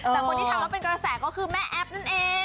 แต่คนที่ทำแล้วเป็นกระแสก็คือแม่แอฟนั่นเอง